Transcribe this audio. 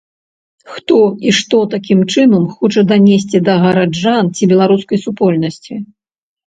Хто і што такім чынам хоча данесці да гараджан ці беларускай супольнасці?